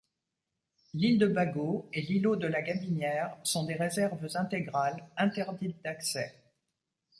L'île de Bagaud et l'îlot de la Gabinière sont des réserves intégrales, interdites d'accès.